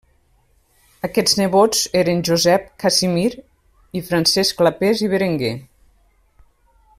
Aquests nebots eren Josep, Casimir i Francesc Clapers i Berenguer.